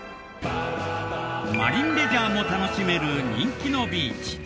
マリンレジャーも楽しめる人気のビーチ